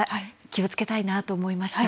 気をつけたいなと思いました。